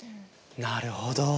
なるほど。